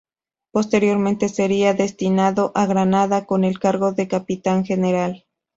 Posteriormente sería destinado a Granada con el cargo de Capitán General.